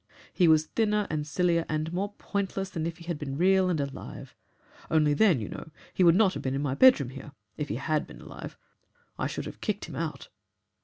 He was thinner and sillier and more pointless than if he had been real and alive. Only then, you know, he would not have been in my bedroom here if he HAD been alive. I should have kicked him out."